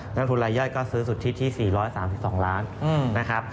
นักทุนรายย่อยก็ซื้อสุทธิที่๔๓๒ล้านนะครับ